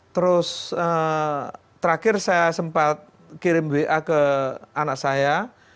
terus terakhir saya sempat kirim wa ke anak saya